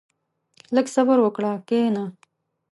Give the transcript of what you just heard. • لږ صبر وکړه، کښېنه.